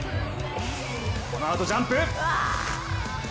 このあとジャンプ。